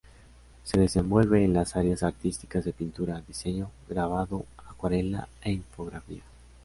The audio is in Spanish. Se desenvuelve en las áreas artísticas de pintura, diseño, grabado, acuarela e infografía.